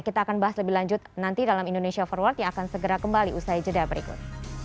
kita akan bahas lebih lanjut nanti dalam indonesia forward yang akan segera kembali usai jeda berikut